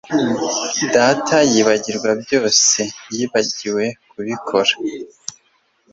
Data yibagirwa byoseYibagiwe kubikora